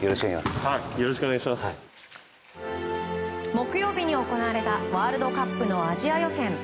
木曜日に行われたワールドカップのアジア予選。